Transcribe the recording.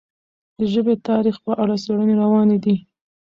د ژبې د تاریخ په اړه څېړنې روانې دي.